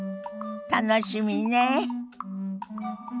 楽しみねえ。